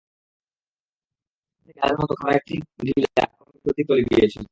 সেখান থেকে দেয়ালের মত খাড়া একটি টিলা ক্রমে ভিতর দিকে চলে গিয়েছিল।